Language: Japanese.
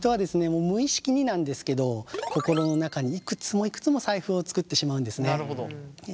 もう無意識になんですけど心の中にいくつもいくつも財布を作ってしまうんですね。